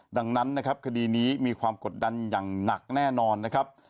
ดังนั้นนะครับคดีนี้มีความกดดันอย่างหนักแน่นอนนะครับ